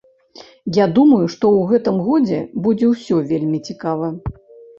Я думаю, што ў гэтым годзе будзе ўсё вельмі цікава.